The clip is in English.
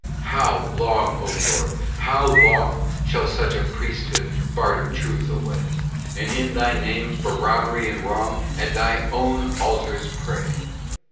How long, O Lord! how long Shall such a priesthood barter truth away, And in Thy name, for robbery and wrong At Thy own altars pray?